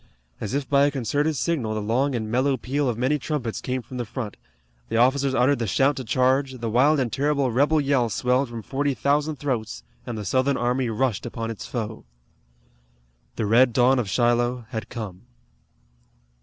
As if by a concerted signal the long and mellow peal of many trumpets came from the front, the officers uttered the shout to charge, the wild and terrible rebel yell swelled from forty thousand throats, and the Southern army rushed upon its foe. The red dawn of Shiloh had come.